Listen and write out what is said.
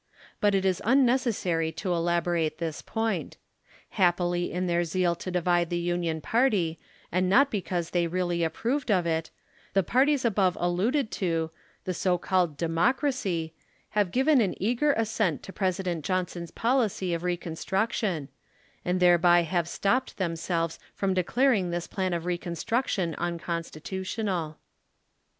Eut it is unnecessary to elaborate this point. Happily in their zeal to divide the Union party, and not because they really approved of it, the parties above alluded to, the so called Democracy, have given an eager assent to President John son's policy of reconstruction ; and thereby have estopped themselves from declaring this plan of reconstruction un constitutional.